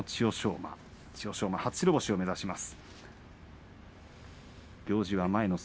馬、初白星を目指します。